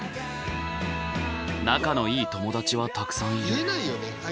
仲のいい友達はたくさんいる。